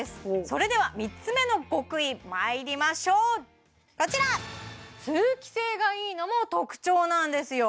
それでは３つ目の極意まいりましょうこちら通気性がいいのも特徴なんですよ